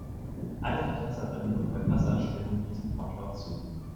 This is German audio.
Alle Verfasserinnen und Verfasser stimmen diesem Wortlaut zu.